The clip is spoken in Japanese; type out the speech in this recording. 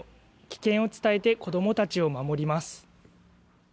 危険を伝えて子どもたちを守ります。